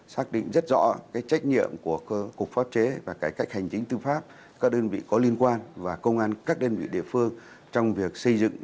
xác định rất rõ trách nhiệm của cục pháp chế và cải cách hành chính tư pháp các đơn vị có liên quan và công an các đơn vị địa phương trong việc xây dựng